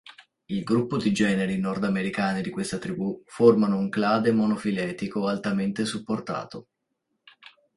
Il gruppo di generi nordamericani di questa tribù formano un clade monofiletico altamente supportato.